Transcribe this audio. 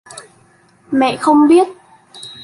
Mẹ không biết